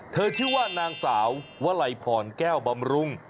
เธอชื่อว่านางสาววะไหล่ผ่อนแก้วบำรุง